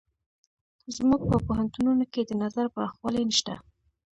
زموږ په پوهنتونونو کې د نظر پراخوالی نشته.